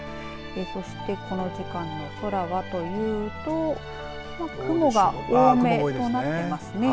そしてこの時間の空はというと雲が多めとなっていますね。